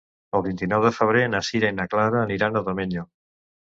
El vint-i-nou de febrer na Sira i na Clara aniran a Domenyo.